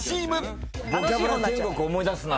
『ボキャブラ天国』思い出すな。